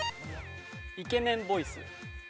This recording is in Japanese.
イケメンボイス。